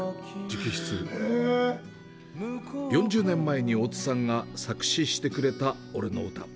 ４０年前に大津さんが作詞してくれた俺の歌。